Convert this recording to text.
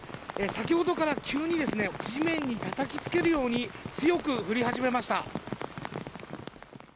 先ほどから急に地面にたたきつけるように強く降り始めました。